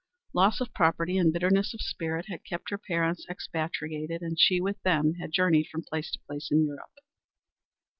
Loss of property and bitterness of spirit had kept her parents expatriated, and she, with them, had journeyed from place to place in Europe.